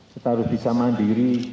kita harus bisa mandiri